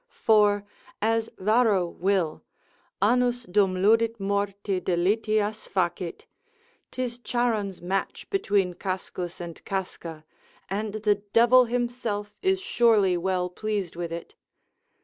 For as Varro will, Anus dum ludit morti delitias facit, 'tis Charon's match between Cascus and Casca, and the devil himself is surely well pleased with it.